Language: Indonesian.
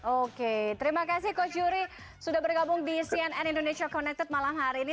oke terima kasih coach yuri sudah bergabung di cnn indonesia connected malam hari ini